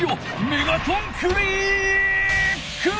メガトンクリック！